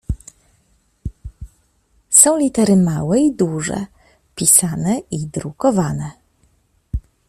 Są litery małe i duże, pisane i drukowane.